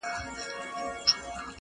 له مبارک سره یوازي مجلسونه ښيي -